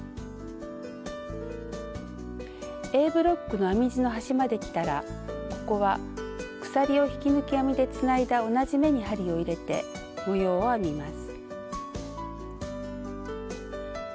Ａブロックの編み地の端まできたらここは鎖を引き抜き編みでつないだ同じ目に針を入れて模様を編みます。